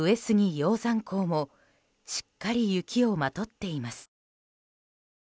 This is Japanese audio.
鷹山公もしっかり雪をまとっています。